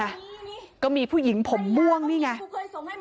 แต่เธอก็ไม่ละความพยายาม